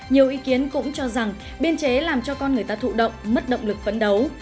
nhiều ý kiến cũng cho rằng biên chế làm cho con người ta thụ động mất động lực phấn đấu